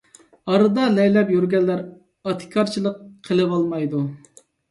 ئارىدا لەيلەپ يۈرگەنلەر ئاتىكارچىلىق قىلىۋالمايدۇ.